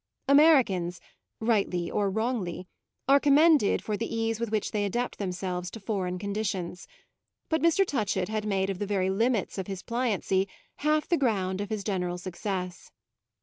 Americans, rightly or wrongly, are commended for the ease with which they adapt themselves to foreign conditions; but Mr. Touchett had made of the very limits of his pliancy half the ground of his general success.